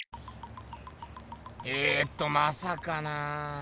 えとまさかなあ。